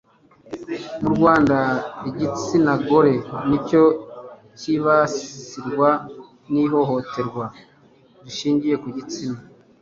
mu rwanda, igitsina gore nicyo cyibasirwa n'ihohoterwa rishingiye ku gitsina